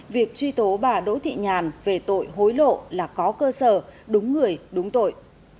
việc truy tố bà đỗ thị nhàn về tội hối lộ là có cơ sở đúng người đúng tội